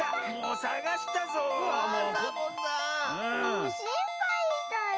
もうしんぱいしたよ。